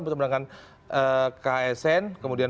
bersama dengan ksn kemudian